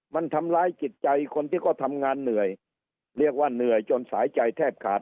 มันทำร้ายจิตใจคนที่เขาทำงานเหนื่อยเรียกว่าเหนื่อยจนสายใจแทบขาด